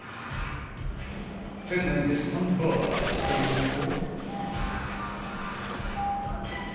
［店内でスタンバイしていると］